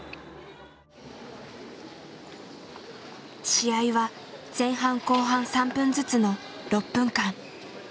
試合は前半後半３分ずつの６分間。